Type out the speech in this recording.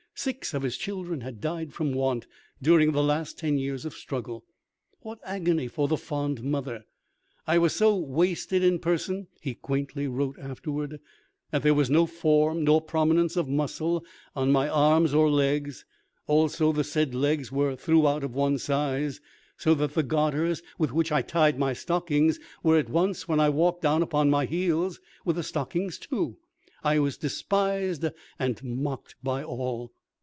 Six of his children had died from want during the last ten years of struggle. What agony for the fond mother! "I was so wasted in person," he quaintly wrote afterwards, "that there was no form nor prominence of muscle on my arms or legs; also the said legs were throughout of one size, so that the garters with which I tied my stockings were at once, when I walked, down upon my heels, with the stockings too. I was despised and mocked by all."